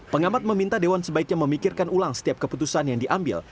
pengamat meminta dewan sebaiknya memikirkan ulang setiap keputusan yang diambil